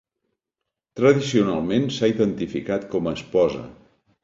Tradicionalment s'ha identificat com a esposa.